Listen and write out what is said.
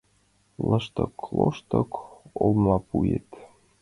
Лыштык-лоштык олмапуэт